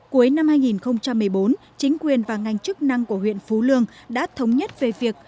cuối năm hai nghìn một mươi bốn chính quyền và ngành chức năng của huyện phú lương đã thống nhất về việc